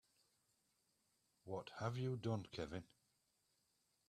What have you done Kevin?